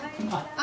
あ！